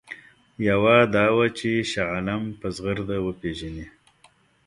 یوه دا وه چې شاه عالم په زغرده وپېژني.